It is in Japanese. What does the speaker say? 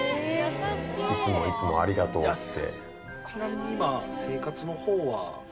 「いつもいつもありがとう‼」って。